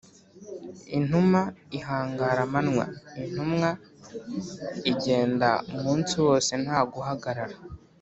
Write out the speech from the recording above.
intuma ihangara amanywa: intumwa igenda umunsi wose nta guhagarara